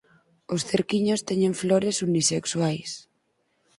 Os cerquiños teñen flores unisexuais.